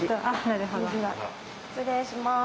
失礼します。